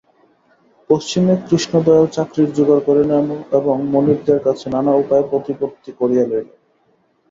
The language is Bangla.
পশ্চিমে কৃষ্ণদয়াল চাকরির জোগাড় করিলেন এবং মনিবদের কাছে নানা উপায়ে প্রতিপত্তি করিয়া লইলেন।